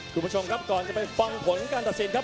คุณผู้ชมครับก่อนจะไปฟังผลการตัดสินครับ